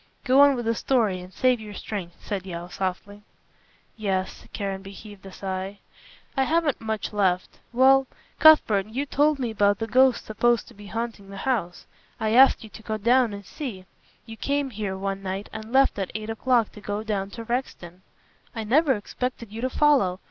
"Go on with the story and save your strength," said Yeo softly. "Yes." Caranby heaved a sigh. "I haven't much left. Well, Cuthbert, you told me about the ghosts supposed to be haunting the house. I asked you to go down and see. You came here one night and left at eight o'clock to go down to Rexton." "I never expected you to follow.